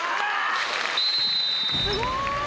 すごい！